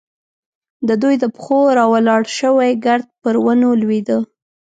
د دوی د پښو راولاړ شوی ګرد پر ونو لوېده.